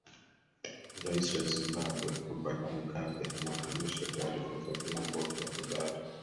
rais wa zimbabwe robert mugabe amekanusha taarifa za vyombo vya habari